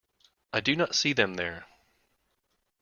I did not see them there.